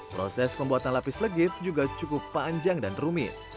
proses pembuatan lapis legit juga cukup panjang dan rumit